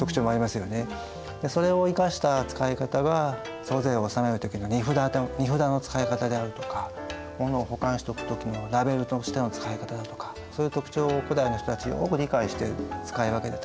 それを生かした使い方が租税を納める時の荷札の使い方であるとか物を保管しとく時のラベルとしての使い方だとかそういう特長を古代の人たちよく理解して使い分けてた。